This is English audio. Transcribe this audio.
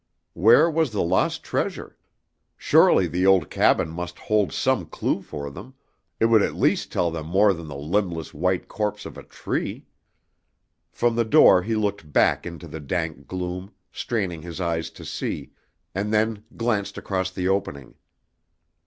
Where was the lost treasure? Surely the old cabin must hold some clue for them, it would at least tell them more than the limbless white corpse of a tree! From the door he looked back into the dank gloom, straining his eyes to see, and then glanced across the opening.